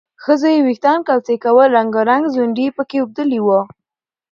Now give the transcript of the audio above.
ښځو یې وېښتان کوڅۍ کول، رنګارنګ ځونډي یې پکې اوبدلي وو